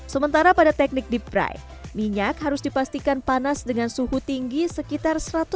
sementara pada teknik deep fry minyak harus dipastikan panas dengan suhu tinggi sekitar satu ratus delapan puluh derajat